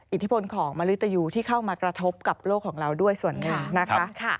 อิทธิพลของมริตยูที่เข้ามากระทบกับโลกของเราด้วยส่วนหนึ่งนะคะ